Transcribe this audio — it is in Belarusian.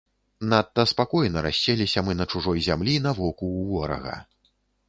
Надта спакойна расселіся мы на чужой зямлі на воку ў ворага.